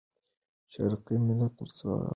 شرقي ملت تر غربي دولت بری موندلی وو.